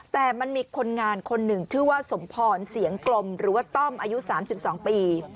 แต่มันมีคนงานคนหนึ่งชื่อว่าสมพรเสียงกลมหรือว่าต้อมอายุ๓๒ปี